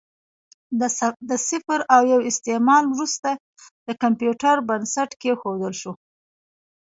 د صفر او یو استعمال وروسته د کمپیوټر بنسټ کېښودل شو.